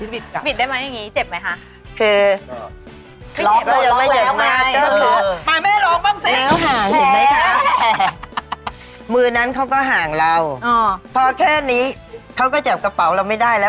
บิดได้มั้ยเป็นอย่างนี้เจ็บมั้ยค่ะ